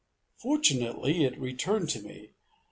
Fortunately, it returned to me.